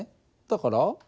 だから。